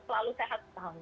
selalu sehat selalu